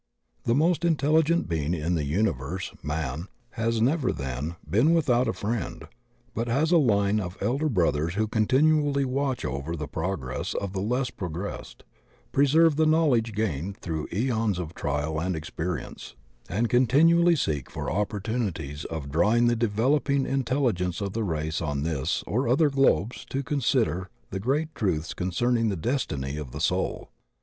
The most intelligent being in the universe, man, has never, then, been without a friend, but has a line of elder brothers who continually watch over the progress of the less progressed, preserve the knowledge gained through aeons of trial and experience, and continually seek for opportunities of drawing the developing intel ligence of the race on this or other globes to consider the great truths concerning the destiny of the soul.